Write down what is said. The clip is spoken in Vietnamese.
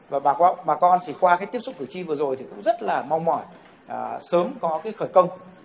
và bà con qua tiếp xúc cử tri vừa rồi cũng rất mong mỏi sớm có khởi công